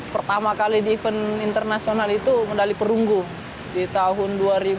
pertama kali di event internasional itu medali perunggu di tahun dua ribu dua puluh